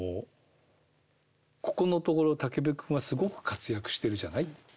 「ここのところ武部君はすごく活躍してるじゃない？